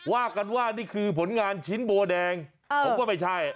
ว่ากันว่านี่คือผลงานชิ้นโบแดงผมว่าไม่ใช่